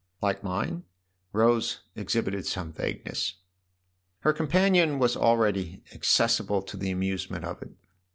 " Like mine ?" Rose exhibited some vague ness. Her companion was already accessible to the amusement of it.